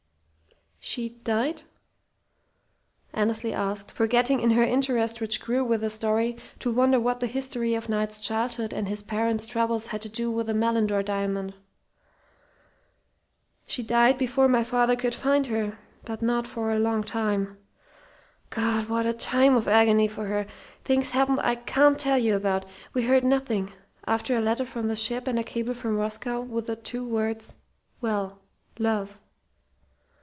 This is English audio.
"She died?" Annesley asked, forgetting in her interest, which grew with the story, to wonder what the history of Knight's childhood and his parents' troubles had to do with the Malindore diamond. "She died before my father could find her; but not for a long time. God what a time of agony for her! Things happened I can't tell you about. We heard nothing, after a letter from the ship and a cable from Moscow with two words 'Well. Love.'